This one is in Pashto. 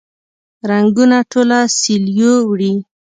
رنګونه ټوله سیلیو وړي